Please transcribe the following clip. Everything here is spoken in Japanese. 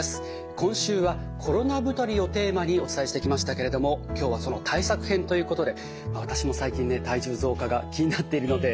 今週は「コロナ太り」をテーマにお伝えしてきましたけれども今日はその対策編ということで私も最近体重増加が気になっているので楽しみです。